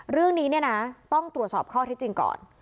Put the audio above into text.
เรื่องนี้เนี่ยนะต้องตรวจสอบข้อที่จริงก่อน